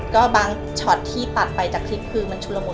ก็บางช็อตที่ตัดไปจากคลิปคือมันชุดละมุน